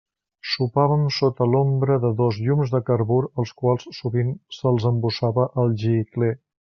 Sopàvem sota l'ombra de dos llums de carbur als quals sovint se'ls embossava el gicler.